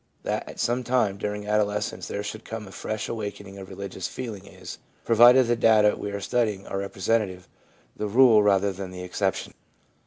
That at some time during adolescence there should come a fresh awakening of religious feeling is, provided the data we are studying are representative, the rule rather than the exception.